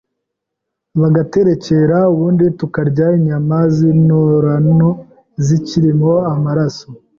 bagaterekera ubundi tukarya inyama z’intonorano zikirimo amaraso